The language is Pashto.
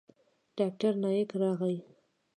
ډاکتر نايک راغى.